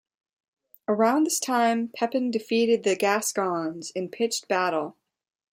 Around this time, Pepin defeated the Gascons in pitched battle.